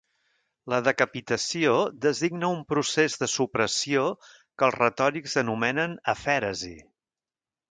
La decapitació designa un procés de supressió que els retòrics anomenen afèresi.